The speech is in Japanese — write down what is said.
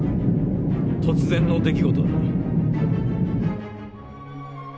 突然の出来事だった」。